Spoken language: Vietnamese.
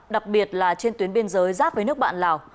đặc biệt là trên tuyến biên giới giáp với nước bạn lào